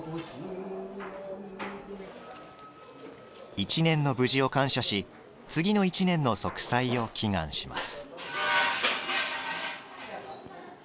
１年の無事を感謝し次の１年の息災を祈願します。